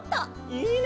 いいね！